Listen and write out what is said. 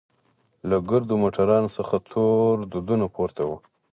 له ګردو موټرانو څخه تور دودونه پورته وو.